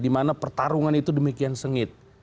di mana pertarungan itu demikian sengit